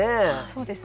そうですね